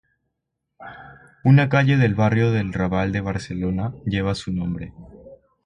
Una calle del barrio del Raval de Barcelona lleva su nombre.